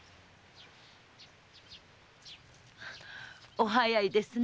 お早いですね。